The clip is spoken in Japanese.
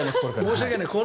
申し訳ないです